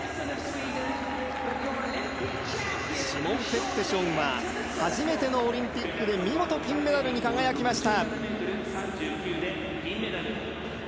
シモン・ペッテションは初めてのオリンピックで見事銀メダルに輝きました。